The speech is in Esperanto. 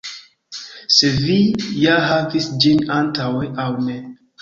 Se vi ja havis ĝin antaŭe aŭ ne.